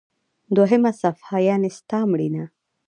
دوهمه صفحه: یعنی ستا مړینه.